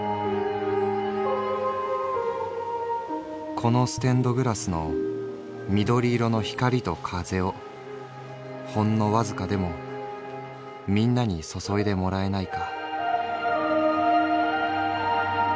「このステンドグラスの緑色の光りと風をほんの僅かでもみんなに注いでもらえないか」。